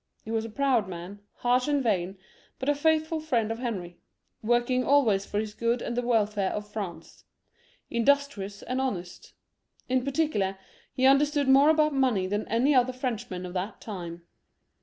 He was a proud man, harsh and vain, but a faithful friend of Henry, working always for his good and the welfare of France ; industrious and honest. In par ticular, he understood more about money than any other Frenchman of that time.